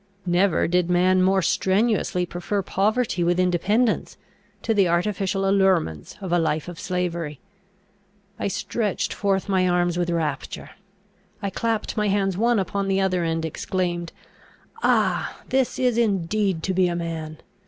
Never did man more strenuously prefer poverty with independence, to the artificial allurements of a life of slavery. I stretched forth my arms with rapture; I clapped my hands one upon the other, and exclaimed, "Ah, this is indeed to be a man!